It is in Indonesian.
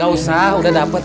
gak usah udah dapet